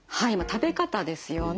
食べ方ですよね。